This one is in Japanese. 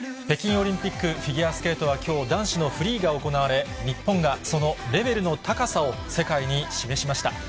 北京オリンピックフィギュアスケートはきょう、男子のフリーが行われ、日本が、そのレベルの高さを世界に示しました。